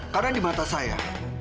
karena di mata saya